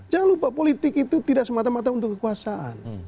jangan lupa politik itu tidak semata mata untuk kekuasaan